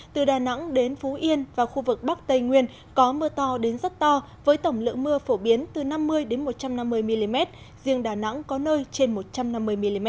từ đà nẵng đến phú yên và khu vực bắc tây nguyên có mưa to đến rất to với tổng lượng mưa phổ biến từ năm mươi một trăm năm mươi mm riêng đà nẵng có nơi trên một trăm năm mươi mm